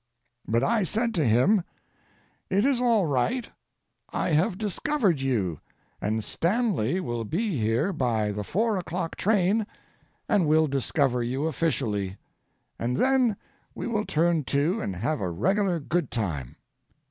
But I said to him: "It is all right; I have discovered you, and Stanley will be here by the four o'clock train and will discover you officially, and then we will turn to and have a reg'lar good time."